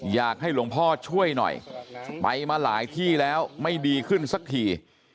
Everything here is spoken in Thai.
อยากให้หลวงพ่อช่วยหน่อยไปมาหลายที่แล้วไม่ดีขึ้นสักที